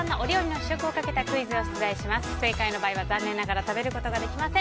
不正解の場合は食べることができません。